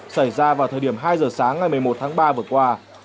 xảy ra vào thời điểm hai giờ sáng ngày một mươi một tháng ba vừa qua